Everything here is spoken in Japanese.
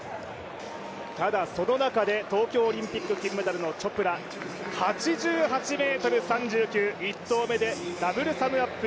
その中で東京オリンピック金メダルのチョプラ、８８ｍ３９、ダブルサムアップ。